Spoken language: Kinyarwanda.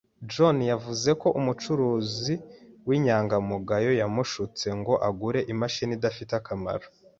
John yavuze ko umucuruzi w'inyangamugayo yamushutse ngo agure imashini idafite akamaro